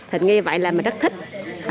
hình như vậy là mình rất thích